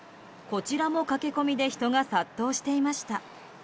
こちらも駆け込みで人が殺到していました。